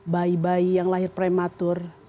bayi bayi yang lahir prematur